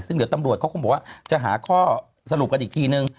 ซึ่งเดี๋ยวตำรวจเขาคงบอกว่าจะหาข้อสรุปกันอีกทีนึง